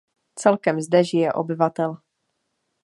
Celkem zde žije obyvatel.